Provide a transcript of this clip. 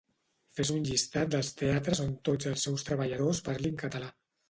Fes un llistat dels teatres on tots els seus treballadors parlin català